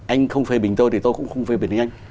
anh không phê bình tôi thì tôi cũng không phê bình với anh